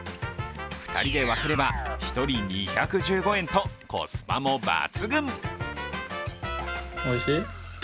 ２人で分ければ、１人、２１５円とコスパも抜群。